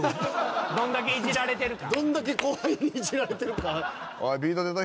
どんだけイジられてるか。